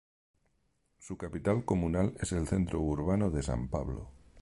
Su capital comunal es el centro urbano de San Pablo.